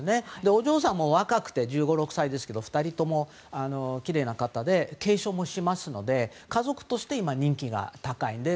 お嬢さんも若くて１５、１６歳ですけど２人ともきれいな方で継承もしますので、家族として今、人気が高いので。